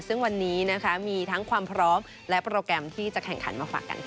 ซึ่งวันนี้นะคะมีทั้งความพร้อมและโปรแกรมที่จะแข่งขันมาฝากกันค่ะ